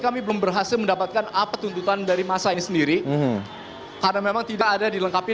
dan berhasil mendapatkan apa tuntutan dari masa ini sendiri karena memang tidak ada dilengkapi